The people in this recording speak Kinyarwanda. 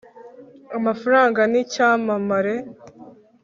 amafaranga n'icyamamare